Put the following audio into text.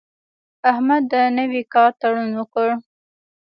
احمد د نوي کار تړون وکړ.